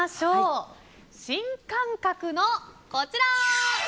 新感覚の、こちら。